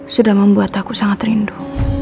sudah membuat aku sangat rindu